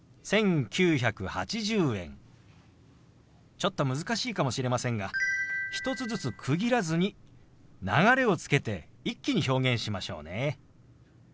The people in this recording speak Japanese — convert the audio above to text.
ちょっと難しいかもしれませんが１つずつ区切らずに流れをつけて一気に表現しましょうね。